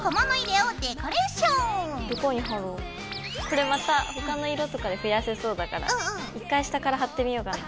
これまた他の色とかで増やせそうだから一回下から貼ってみようかな。